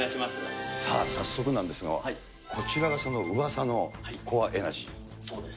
さあ、早速なんですが、こちらが、そのうわさのコアエナそうです。